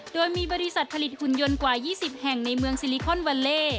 โดยมีบริษัทผลิตหุ่นยนต์กว่า๒๐แห่งในเมืองซิลิคอนวาเล่